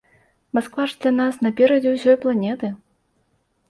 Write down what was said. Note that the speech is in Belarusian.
Масква ж для нас наперадзе ўсёй планеты.